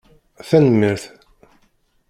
Tanemmirt